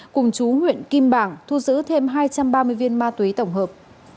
cùng chú huyện kim bảng thu giữ thêm hai trăm ba mươi viên ma túy tổng hợp